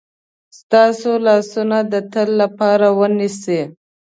ستاسو لاسونه د تل لپاره ونیسي.